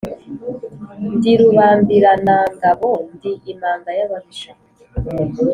Ndi Rubambiranangabo, ndi imanga y’ababisha.